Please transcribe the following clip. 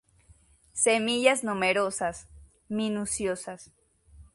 Semillas numerosas, minuciosas.